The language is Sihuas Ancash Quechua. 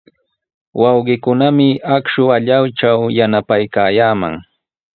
Wawqiikunami akshu allaytraw yanapaykaayaaman.